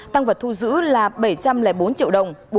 tăng vật thu giữ là bảy trăm linh bốn triệu đồng